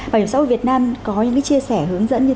bà giáo hội việt nam có những chia sẻ hướng dẫn